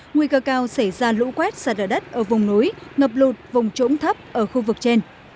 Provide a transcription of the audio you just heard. nguy cơ cao xảy ra lũ quét sạt ở đất ở vùng núi ngập lụt vùng trỗng thấp ở khu vực trên